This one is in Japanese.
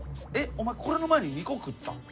お前これの前に２個食ったん？